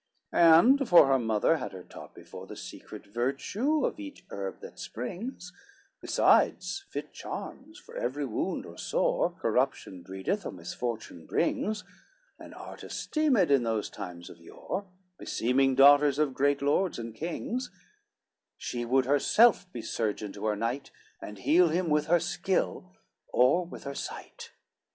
LXVII And for her mother had her taught before The secret virtue of each herb that springs, Besides fit charms for every wound or sore Corruption breedeth or misfortune brings,— An art esteemed in those times of yore, Beseeming daughters of great lords and kings— She would herself be surgeon to her knight, And heal him with her skill, or with her sight.